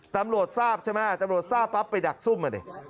ตำรวจทราบใช่ไหมครับตำรวจทราบปั๊ปไปดักทรุ่มเถอะ